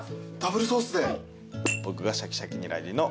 僕がシャキシャキニラ入りのカルボナーラ。